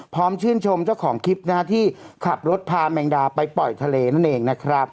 พร้อมชื่นชมเจ้าของคลิปที่ขับรถพาแมงดาไปปล่อยทะเลนั่นเอง